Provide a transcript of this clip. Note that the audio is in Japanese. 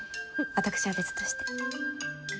私は別として。